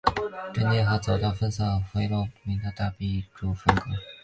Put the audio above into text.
正殿和走道用红色维罗纳大理石壁柱分隔。